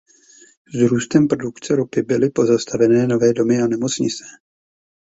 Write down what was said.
S růstem produkce ropy byly postaveny nové domy a nemocnice.